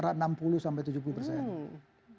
antara enam puluh sampai tujuh puluh persen